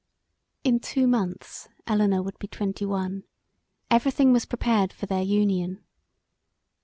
In two months Elinor would be twenty one: every thing was prepared for their union.